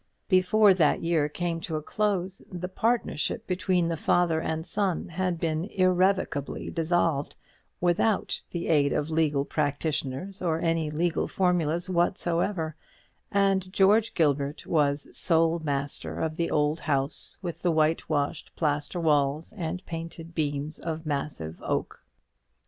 Before that year came to a close the partnership between the father and son had been irrevocably dissolved, without the aid of legal practitioners, or any legal formulas whatsoever; and George Gilbert was sole master of the old house with the whitewashed plaster walls and painted beams of massive oak.